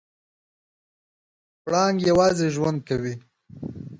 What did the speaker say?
پړانګ یوازې ژوند کوي.